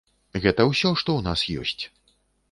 Гэта ўсё, што ў нас ёсць.